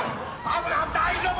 大丈夫？